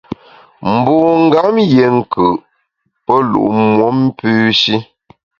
Mbungam yié nkù’, pe lu’ muom pü shi.